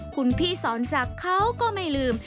คุณพี่สอนศักดิ์เขาก็ไม่ลืม